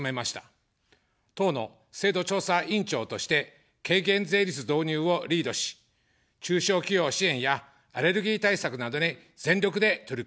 党の制度調査委員長として、軽減税率導入をリードし、中小企業支援やアレルギー対策などに全力で取り組みました。